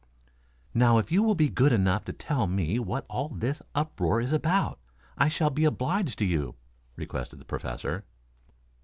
"Now if you will be good enough to tell me what all this uproar is about, I shall be obliged to you," requested the Professor.